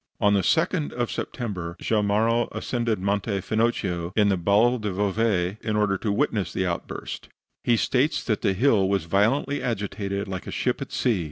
On the second of September, Gemellaro ascended Monte Finocchio in the Val del Bove in order to witness the outburst. He states that the hill was violently agitated, like a ship at sea.